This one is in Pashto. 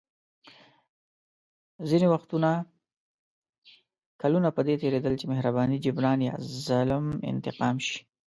ځینې وختونه کلونه په دې تېرېدل چې مهرباني جبران یا ظلم انتقام شي.